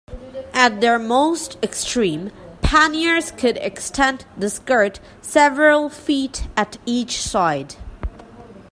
At their most extreme panniers could extend the skirt several feet at each side.